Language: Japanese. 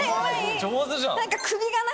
上手じゃん！